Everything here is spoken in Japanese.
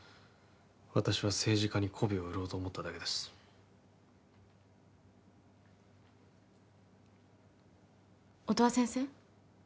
私は政治家にこびを売ろうと思っただけです音羽先生